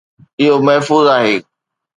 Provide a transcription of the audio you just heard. اهو محفوظ آهي